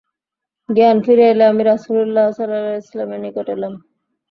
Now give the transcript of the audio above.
জ্ঞান ফিরে এলে আমি রাসূলুল্লাহ সাল্লাল্লাহু আলাইহি ওয়াসাল্লামের নিকট এলাম।